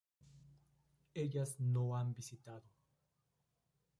Ellas no han visitado